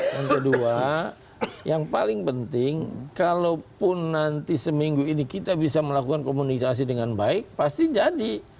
yang kedua yang paling penting kalaupun nanti seminggu ini kita bisa melakukan komunikasi dengan baik pasti jadi